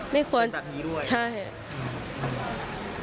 ไม่ควรจะเป็นแบบนี้ด้วย